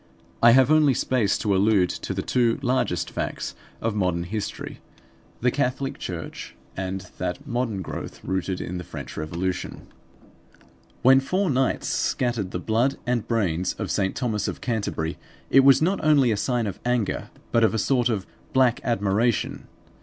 I have only space to allude to the two largest facts of modern history: the Catholic Church and that modern growth rooted in the French Revolution. When four knights scattered the blood and brains of St. Thomas of Canterbury, it was not only a sign of anger but of a sort of black admiration.